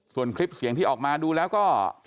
ส่วนคลิปเสียงที่ออกมาดูแล้วก็